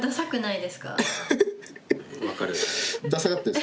分かる。